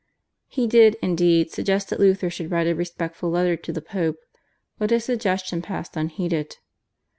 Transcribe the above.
He did, indeed, suggest that Luther should write a respectful letter to the Pope, but his suggestion passed unheeded.